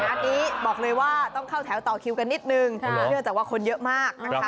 อันนี้บอกเลยว่าต้องเข้าแถวต่อคิวกันนิดนึงเนื่องจากว่าคนเยอะมากนะคะ